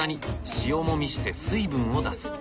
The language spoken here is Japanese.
塩もみして水分を出す。